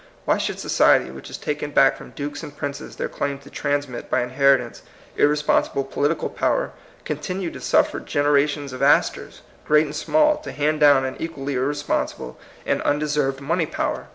Why should society which has taken back from dukes and princes their claim to transmit by inheritance irre sponsible political power, continue to suffer generations of Astors, great* and small, to hand down an equally irresponsible and un deserved money power?